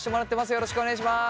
よろしくお願いします。